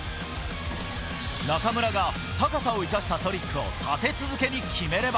中村が高さを生かしたトリックを立て続けに決めれば。